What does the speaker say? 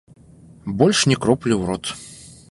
Больш ні кроплі ў рот.